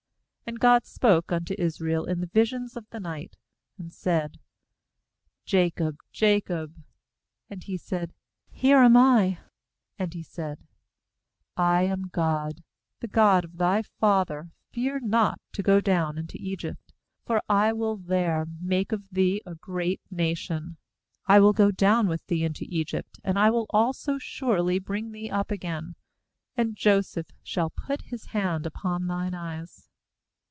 2And God spoke unto Israel in the visions of the night, and said: 'Jacob, Jacob.' And he said: 'Here am I/ 3And 57 46.3 GENESIS He said: 'I am God, the God of thy father; fear not to go down into Egypt; for I "will there make of thee a great nation. 4I will go down with thee into Egypt; and I will also surely bring thee up again; and Joseph shall put his hand upon thine eyes.'